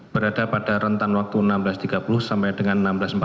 berada pada rentang waktu enam belas tiga puluh sampai dengan enam belas empat puluh lima